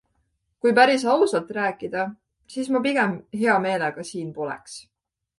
Kui päris ausalt rääkida, siis ma pigem hea meelega siin poleks.